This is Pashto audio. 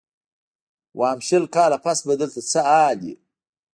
ويم شل کاله پس به دلته څه حال وي.